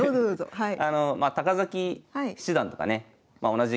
はい。